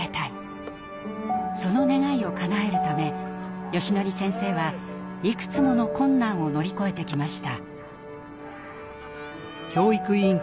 その願いをかなえるためよしのり先生はいくつもの困難を乗り越えてきました。